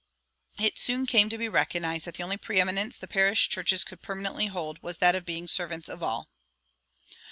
It soon came to be recognized that the only preëminence the parish churches could permanently hold was that of being "servants of all."